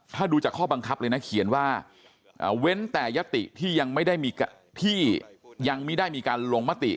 ถ้าดูจากข้อบังคับเลยนะเขียนว่าเว้นแต่ยติที่ยังไม่ได้ที่ยังไม่ได้มีการลงมติ